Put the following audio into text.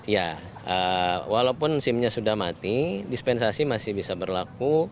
ya walaupun simnya sudah mati dispensasi masih bisa berlaku